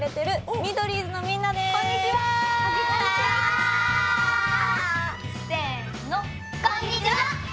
こんにちは！せの！